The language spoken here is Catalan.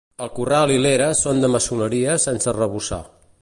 El corral i l'era són de maçoneria sense arrebossar.